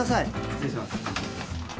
失礼します。